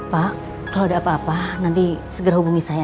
pak kalau ada apa apa nanti segera hubungi saya